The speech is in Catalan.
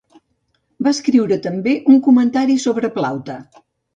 Va escriure també un comentari sobre Plaute.